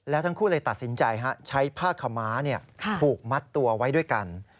แล้วทั้งคู่เลยตัดสินใจใช้ผ้าขม้าผูกมัดตัวไว้ด้วยกัน